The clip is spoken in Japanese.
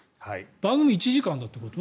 番組、１時間ってこと？